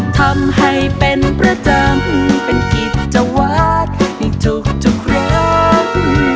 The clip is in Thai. ทำให้เป็นประจำเป็นกิจวาสในทุกครั้ง